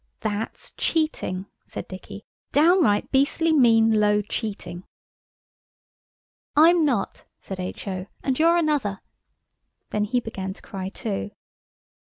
"That's cheating," said Dicky–"downright beastly, mean, low cheating." "I'm not," said H.O.; "and you're another." Then he began to cry too.